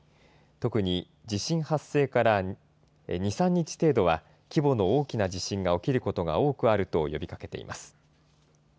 特に地震発生から２、３日程度は規模の大きな地震が起きることが多くあると呼びかけています。